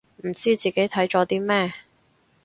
唔知自己睇咗啲咩